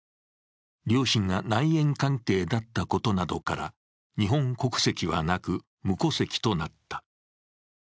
両親が内縁関係だったことなどから日本国籍はなく無戸籍となった。